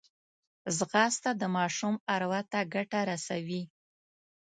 ځغاسته د ماشوم اروا ته ګټه رسوي